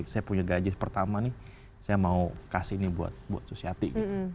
saya punya gaji pertama nih saya mau kasih nih buat susiati